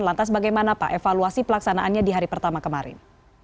lantas bagaimana pak evaluasi pelaksanaannya di hari pertama kemarin